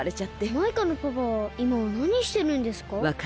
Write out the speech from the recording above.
マイカのパパはいまはなにしてるんですか？